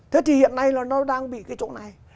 thế thì hiện nay là nó đang bị cái chỗ này